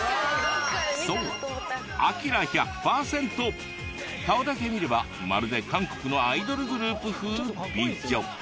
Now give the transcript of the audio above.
そう顔だけ見ればまるで韓国のアイドルグループ風美女。